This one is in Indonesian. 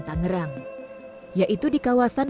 tangerang yaitu di kawasan